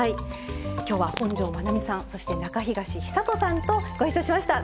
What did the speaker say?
今日は本上まなみさんそして中東久人さんとご一緒しました。